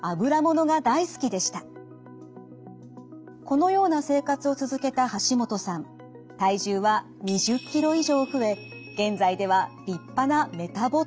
このような生活を続けたハシモトさん体重は２０ｋｇ以上増え現在では立派なメタボ体型。